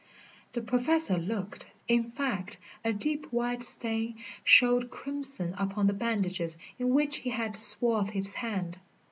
The Professor looked. In fact, a deep, wide stain showed crimson upon the bandages in which he had swathed his hand.